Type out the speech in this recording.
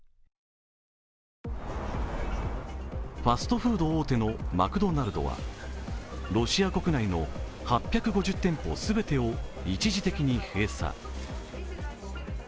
ファストフード大手のマクドナルドはロシア国内の８５０店舗全てを一時的に閉鎖。